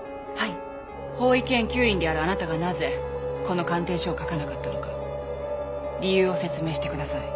法医研究員であるあなたがなぜこの鑑定書を書かなかったのか理由を説明してください。